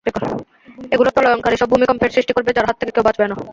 এগুলো প্রলয়ংকারী সব ভূমিকম্পের সৃষ্টি করবে যার হাত থেকে কেউ বাঁচবে না!